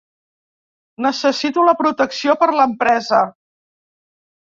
Necessito la protecció per l'empresa.